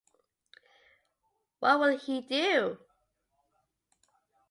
What'll he do?